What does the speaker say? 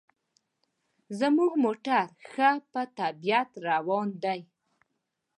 زموږ موټر ښه په طبیعت روان دی.